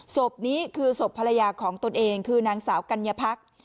ศพนี้คือศพภรรยาของตนเองคือนางสาวกัญญาพัก